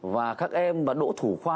và các em đổ thủ khoa